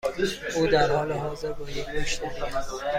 او در حال حاضر با یک مشتری است.